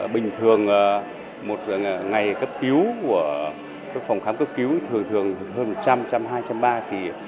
bình thường một ngày cấp cứu của phòng khám cấp cứu thường hơn một trăm linh một trăm linh hai trăm linh ba trăm linh thì